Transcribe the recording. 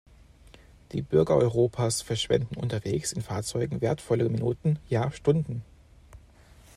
Die Bürger Europas verschwenden unterwegs in Fahrzeugen wertvolle Minuten, ja Stunden.